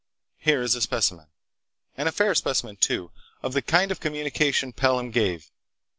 Here is a specimen—and a fair specimen, too—of the kind of communication Pelham gave.